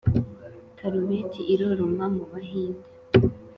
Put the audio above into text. karubeti iroroma mu bahinde,